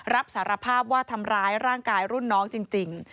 รับสารภาพว่าทำร้ายร่างกายรุ่นน้องจริง